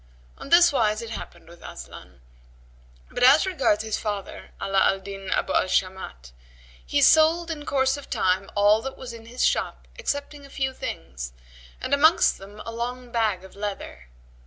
On this wise it happed with Aslan; but as regards his father, Ala al Din Abu al Shamat, he sold in course of time all that was in his shop excepting a few things and amongst them a long bag of leather.